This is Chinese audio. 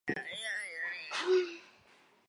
主要城镇为布里尼奥勒。